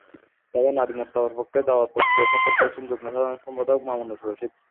তবে নাদিম মোস্তফার পক্ষে দাওয়াতপত্রে স্বাক্ষর করেছেন যুগ্ম সাধারণ সম্পাদক মামুনুর রশীদ।